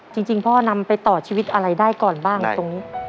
จริงพ่อนำไปต่อชีวิตอะไรได้ก่อนบ้างตรงนี้